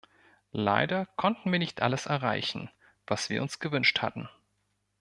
Leider konnten wir nicht alles erreichen, was wir uns gewünscht hatten.